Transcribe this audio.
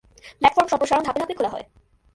Platform সম্প্রসারণ ধাপে ধাপে খোলা হয়।